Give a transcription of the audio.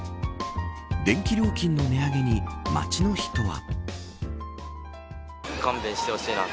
電気料金の値上げに街の人は。